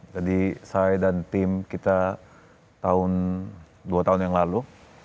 jadi saya dan tim kita tahun dua tahun yang lalu